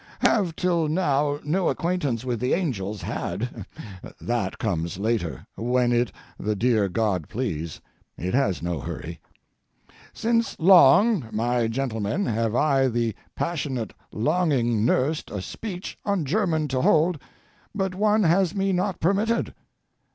Have till now no acquaintance with the angels had. That comes later—when it the dear God please—it has no hurry. Since long, my gentlemen, have I the passionate longing nursed a speech on German to hold, but one has me not permitted.